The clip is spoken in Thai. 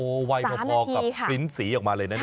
วัยพอกับลิ้นสีออกมาเลยนะเนี่ย